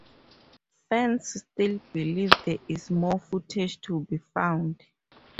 Fans still believe there is more footage to be found.